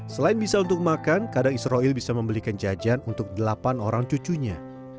selain bisa untuk makan kadang israel bisa membelikan jajan untuk delapan orang cucunya